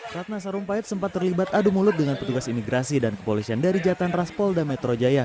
ratna sarumpait sempat terlibat adu mulut dengan petugas imigrasi dan kepolisian dari jatan ras polda metro jaya